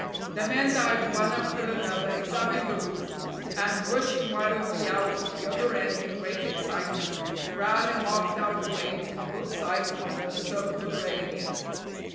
The men dived one after another, examined the roof, and, rushing wildly out at the other end in great excitement, ran and marked out claims on both sides of the subterranean.